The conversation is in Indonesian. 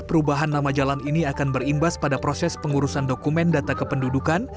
perubahan nama jalan ini akan berimbas pada proses pengurusan dokumen data kependudukan